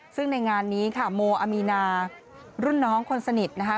ซึ่งในงานนี้ค่ะโมอามีนารุ่นน้องคนสนิทนะคะ